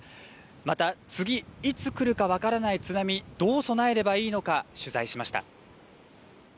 また次いつ来るか分からない津波にどう備えればいいのか取材しました。